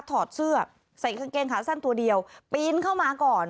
ถอดเสื้อใส่กางเกงขาสั้นตัวเดียวปีนเข้ามาก่อน